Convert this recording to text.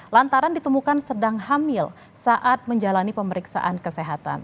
lantaran ditemukan sedang hamil saat menjalani pemeriksaan kesehatan